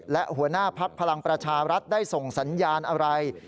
และหัวหน้าภักดิ์พลังประชารัฐได้ส่งสัญญาณอะไร